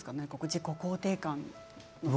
自己肯定感とか。